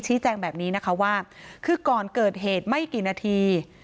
แจ้งแบบนี้นะคะว่าคือก่อนเกิดเหตุไม่กี่นาที